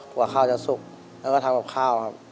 กว่าข้าวจะสุกแล้วก็ทำกับข้าวครับ